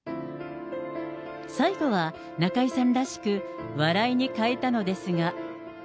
最後は、中居さんらしく笑いに変えたのですが。